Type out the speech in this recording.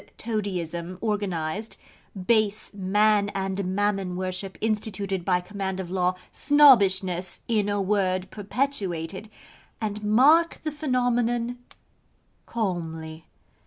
Toadyism, organised: base Man and Mammon worship, instituted by command of law: Snobbishness, in a word, perpetuated, and mark the phenomenon calmly.